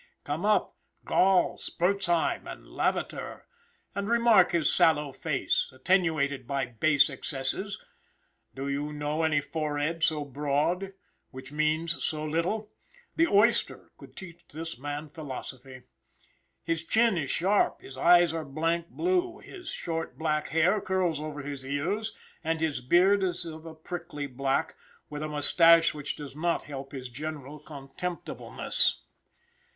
Come up! Gall, Spurzheim, and Lavater, and remark his sallow face, attenuated by base excesses! Do you know any forehead so broad which means so little? the oyster could teach this man philosophy! His chin is sharp, his eyes are blank blue, his short black hair curls over his ears, and his beard is of a prickly black, with a moustache which does not help his general contemptibleness.